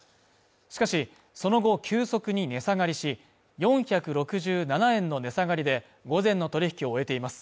しかしその後急速に値下がりし、４６７円の値下がりで午前の取引を終えています。